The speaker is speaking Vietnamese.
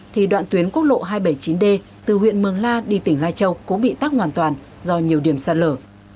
thì đoạn tuyến quốc lộ hai trăm bảy mươi chín d từ huyện mường la đi tỉnh lai châu cũng bị tắc hoàn toàn do nhiều điểm sạt lở